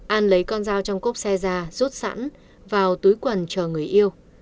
an lấy con dao trong cốc xe ra rút sẵn vào túi quần chờ người yêu